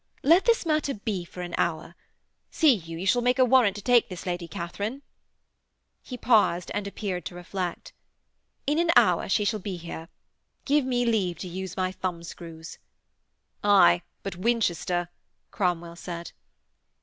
'Let this matter be for an hour. See you, you shall make a warrant to take this Lady Katharine.' He paused and appeared to reflect. 'In an hour she shall be here. Give me leave to use my thumbscrews....' 'Aye, but Winchester,' Cromwell said.